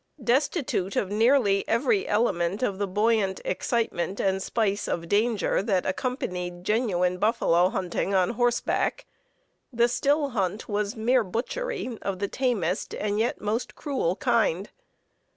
Destitute of nearly every element of the buoyant excitement and spice of danger that accompanied genuine buffalo hunting on horseback, the still hunt was mere butchery of the tamest and yet most cruel kind.